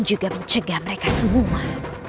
dan juga mencegah mereka semua